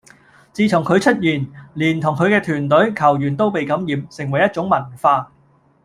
自從佢出現，連同佢嘅團隊、球員都被感染，成為一種文化